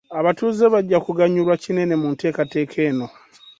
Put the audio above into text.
Abatuuze bajja kuganyulwa kinene mu nteekateeka eno.